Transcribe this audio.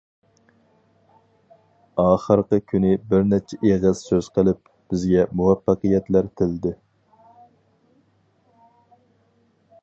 ئاخىرقى كۈنى بىر نەچچە ئېغىز سۆز قىلىپ، بىزگە مۇۋەپپەقىيەتلەر تىلىدى.